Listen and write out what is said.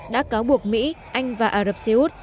đã cáo buộc mỹ anh và ả rập xê út